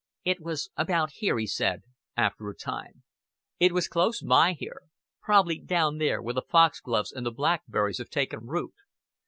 "It was about here," he said, after a time. "It was close by here. Prob'bly down there, where the foxgloves and the blackberries have taken root.